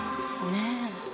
ねえ。